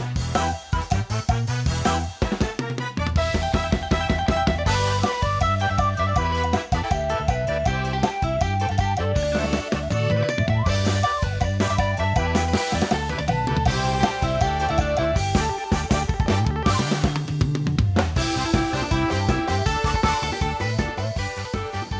มุ่งห้องยุติธรรม